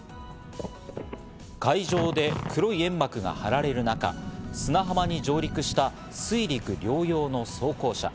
海上で黒い煙幕が張られる中、砂浜に上陸した水陸両用の装甲車。